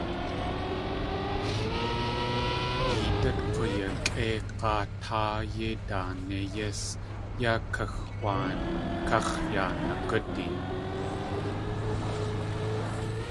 Yeedát k̲uyakʼéi g̲aatáa yéi daané yís yá kaxwaan káx̲ yaa nagúdi.